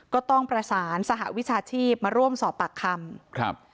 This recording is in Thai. ก็ต้องประสานสหวิชาชีพมาร่วมสอบปากคำครับ